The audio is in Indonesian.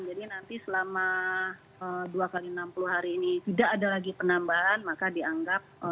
jadi nanti selama dua kali enam puluh hari ini tidak ada lagi penambahan maka dianggap